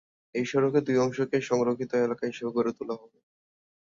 এই সড়কের দুই অংশকেই সংরক্ষিত এলাকা হিসেবে গড়ে তোলা হবে।